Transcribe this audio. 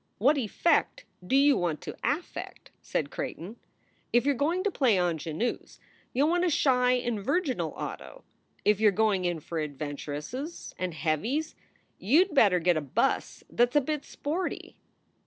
"What effect do you want to affect?" said Creighton. "If you re going to play ingenues you ll want a shy and virginal auto; if you re going in for adventuresses and heavies, you d better get a bus that s a bit sporty."